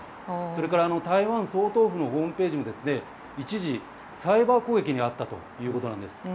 それから台湾総統府のホームページにも一時、サイバー攻撃にあったということなんです。